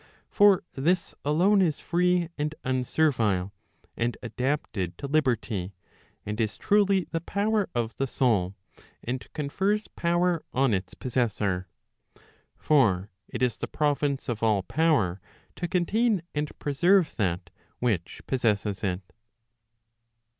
For this alone is free and unservile, and adapted to liberty, and is truly the power of the soul, and confers power on its possessor. For it is the province of all power to contain and preserve that which possesses it.